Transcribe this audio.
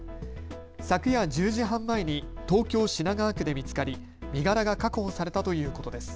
昨夜１０時半前に東京品川区で見つかり、身柄が確保されたということです。